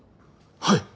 はい！